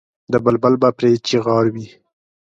د بلبل به پرې چیغار وي.